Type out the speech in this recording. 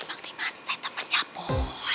bang diman saya temennya boy